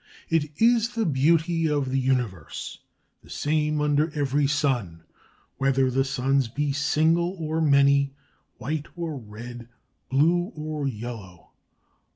It is the beauty of the universe, the same under every sun, whether the suns be single or many, white or red, blue or yellow.